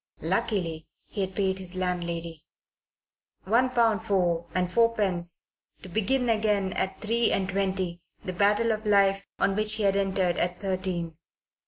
Luckily he had paid his landlady. One pound four and fourpence to begin again at three and twenty the battle of life on which he had entered at thirteen.